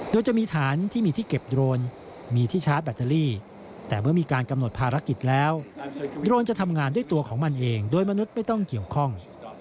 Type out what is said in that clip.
โดยจะมีฐานที่มีที่เก็บโดรนมีที่ชาร์จแบตเตอรี่แต่เมื่อมีการกำหนดภารกิจแล้วโดรนจะทำงานด้วยตัวของมันเองโดยมนุษย์ไม่ต้องเกี่ยวข้อง